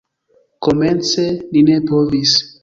Komence ni ne povis.